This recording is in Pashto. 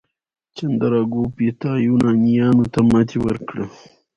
چندراګوپتا یونانیانو ته ماتې ورکړه.